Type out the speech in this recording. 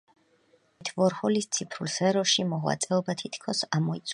ამით ვორჰოლის ციფრულ სფეროში მოღვაწეობა თითქოს ამოიწურა.